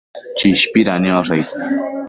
Chishpida niosh aid